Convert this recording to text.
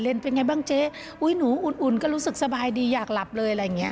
เป็นอย่างไรบ้างเจ๊หนูอุ่นก็รู้สึกสบายดีอยากหลับเลยอะไรอย่างนี้